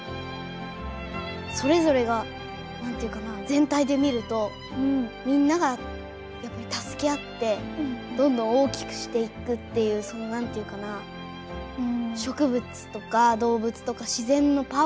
それぞれがなんていうかな全体で見るとみんなが助け合ってどんどん大きくしていくっていうそのなんていうかな植物とか動物とか自然のパワー。